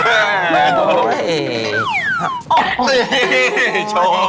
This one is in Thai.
ถอดรองเท้าก่อนเลยผม